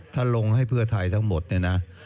ถ้าลงให้เพื่อไทยทั้งหมดเนี่ยนะ